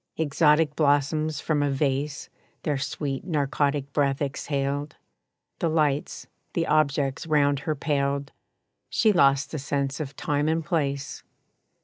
Exotic blossoms from a vase Their sweet narcotic breath exhaled; The lights, the objects round her paled She lost the sense of time and place.